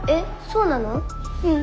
うん。